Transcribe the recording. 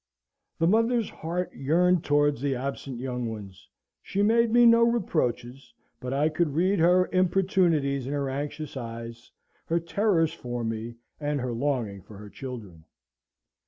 The mother's heart yearned towards the absent young ones. She made me no reproaches: but I could read her importunities in her anxious eyes, her terrors for me, and her longing for her children.